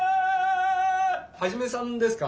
ハジメさんですか？